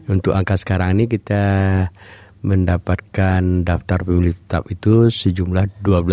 untuk angka sekarang ini kita mendapatkan daftar pemilih tetap itu sejumlah dua belas tiga ratus lima puluh tujuh